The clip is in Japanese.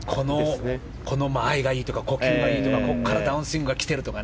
この間合いがいいとか呼吸がいいとか、ここからダウンスイングがきてるとか。